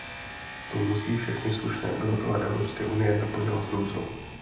To musí všechny slušné obyvatele Evropské unie naplňovat hrůzou.